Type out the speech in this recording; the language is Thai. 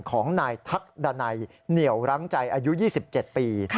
ของนายทักดันัยเหนียวรั้งใจอายุ๒๗ปี